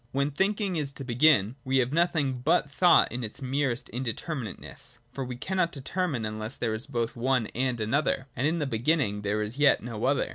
(1) When thinking is to begin, we have nothing but thought in its merest indeterminateness : for we cannot determine unless there is both one and another ; and in the beginning there is yet no other.